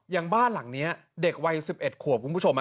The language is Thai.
อย่างบ้านหลังเนี้ยเด็กวัย๑๑ขวดมึงบุตรชมอะ